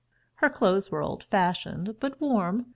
Her clothes were old fashioned but warm.